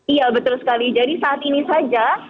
iya betul sekali jadi saat ini saja